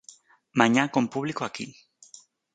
Mañá con publico aquí.